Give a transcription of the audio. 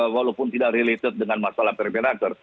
walaupun tidak related dengan masalah permenaker